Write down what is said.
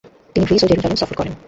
তিনি গ্রিস ও জেরুজালেম সফর করেন।